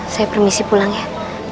saya permisi pulang ya